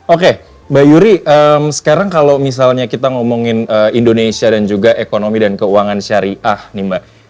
oke mbak yuri sekarang kalau misalnya kita ngomongin indonesia dan juga ekonomi dan keuangan syariah nih mbak